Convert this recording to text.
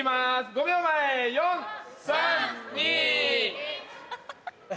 ５秒前４・３・２。